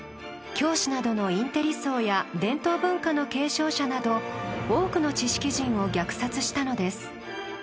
教師などのインテリ層や伝統文化の継承者など多くの知識人を虐殺したのです。